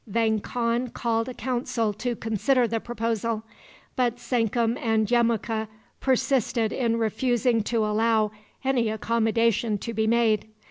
Vang Khan called a council to consider the proposal. But Sankum and Yemuka persisted in refusing to allow any accommodation to be made.